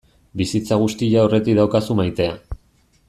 Bizitza guztia aurretik daukazu maitea.